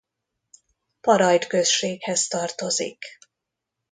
Parajd községhez tartozik.